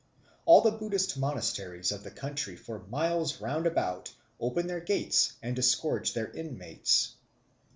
All the Buddhist monasteries of the country for miles round about open their gates and disgorge their inmates.